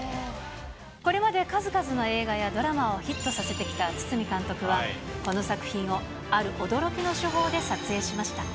これまで数々の映画やドラマをヒットさせてきた堤監督は、この作品をある驚きの手法で撮影しました。